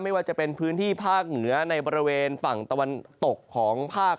ไม่ว่าจะเป็นพื้นที่ภาคเหนือในบริเวณฝั่งตะวันตกของภาค